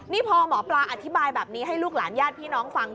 นี่พอหมอปลาอธิบายแบบนี้ให้ลูกหลานญาติพี่น้องฟัง